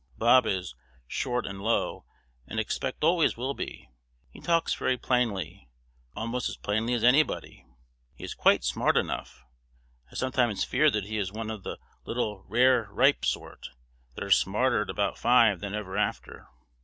Bob is "short and low," and expect always will be. He talks very plainly, almost as plainly as anybody. He is quite smart enough. I sometimes fear he is one of the little rare ripe sort, that are smarter at about five than ever after.